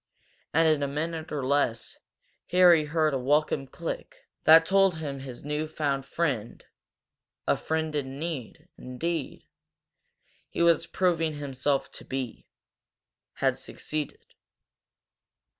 And in a minute or less Harry heard a welcome click that told him his new found friend a friend in need, indeed, he was proving himself to be, had succeeded.